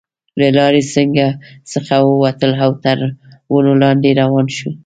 له لارې څخه وو وتلو او تر ونو لاندې روان شوو.